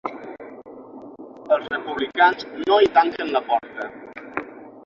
Els republicans no hi tanquen la porta.